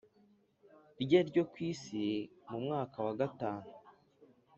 Rye ryo ku isi mu mwaka wa gatanu